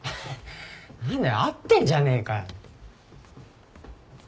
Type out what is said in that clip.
何だよ会ってんじゃねえかよ。